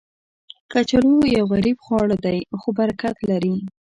کچالو یو غریب خواړه دی، خو برکت لري